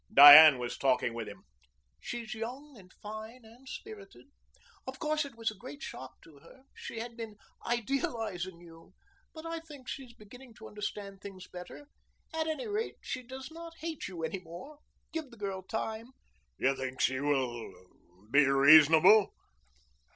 Diane was talking with him. "She's young and fine and spirited. Of course it was a great shock to her. She had been idealizing you. But I think she is beginning to understand things better. At any rate, she does not hate you any more. Give the girl time." "You think she will be reasonable?"